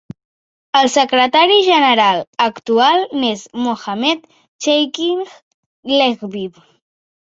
El secretari general actual n'és Mohamed Cheikh Lehbib.